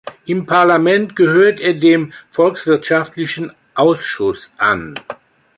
Im Parlament gehört er dem volkswirtschaftlichen Ausschuss an.